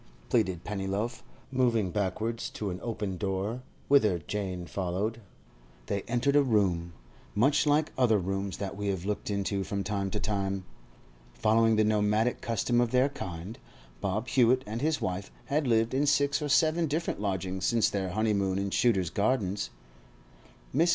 pleaded Pennyloaf, moving backwards to an open door, whither Jane followed. They entered a room—much like other rooms that we have looked into from time to time. Following the nomadic custom of their kind, Bob Hewett and his wife had lived in six or seven different lodgings since their honeymoon in Shooter's Gardens. Mrs.